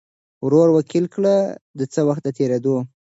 ورور وکیل کړي دی څه وخت د تېریدو